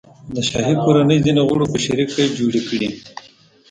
د شاهي کورنۍ ځینو غړو په شریکه جوړې کړي.